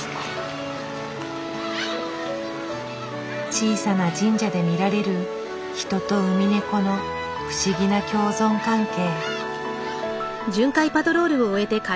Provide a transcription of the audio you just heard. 小さな神社で見られる人とウミネコの不思議な共存関係。